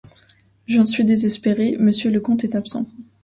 J’en suis désespérée, monsieur le comte est absent...